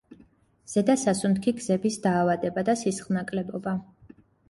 ზედა სასუნთქი გზების დაავადება და სისხლნაკლებობა.